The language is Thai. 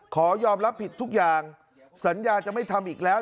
ขอยอมรับผิดทุกอย่างสัญญาจะไม่ทำอีกแล้ว